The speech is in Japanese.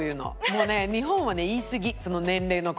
もうね日本はね言いすぎ年齢の事。